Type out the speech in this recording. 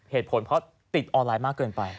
เหตุผลเพราะติดออนไลน์มากเกินไป